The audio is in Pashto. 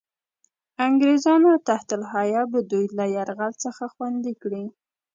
انګرېزانو تحت الحیه به دوی له یرغل څخه خوندي کړي.